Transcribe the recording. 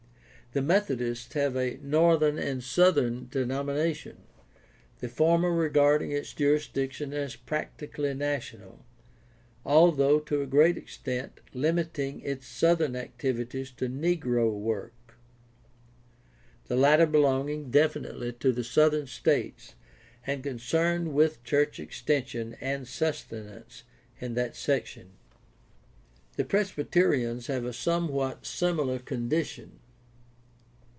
The Metho dists have a northern and southern denomination, the former regarding its jurisdiction as practically national, although to a great extent limiting its southern activities to negro work, the latter belonging definitely to the southern states, and con cerned with church extension and sustenance in that section. The Presbyterians have a somewhat similar condition.